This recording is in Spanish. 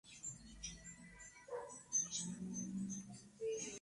No hubo ningún efecto.